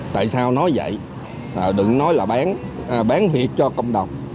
tại sao nói vậy đừng nói là bán bán việc cho cộng đồng